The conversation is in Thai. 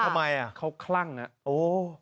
ทำไมอ่ะเขาคลั่งอ่ะโอ้